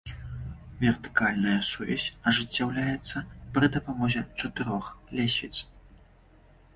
Вертыкальная сувязь ажыццяўляецца пры дапамозе чатырох лесвіц.